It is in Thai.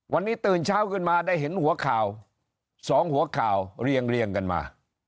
วันนี้ตื่นเช้าขึ้นมาได้เห็นหัวข่าว๒หัวข่าวเรียงกันมา